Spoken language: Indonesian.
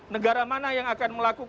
negara mana yang akan melakukan